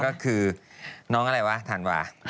ก็คือน้องอะไรวะธันวา